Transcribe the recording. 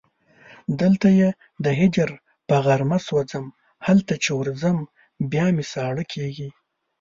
دلته یې د هجر په غارمه سوځم هلته چې ورځم بیا مې ساړه کېږي